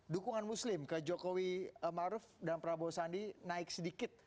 dukungan muslim ke jokowi maruf dan prabowo sandi naik sedikit